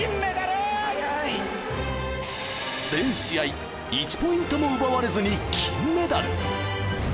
全試合１ポイントも奪われずに金メダル。